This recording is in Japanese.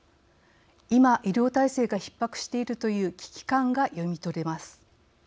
今、医療体制がひっ迫しているという危機感が読み取れます。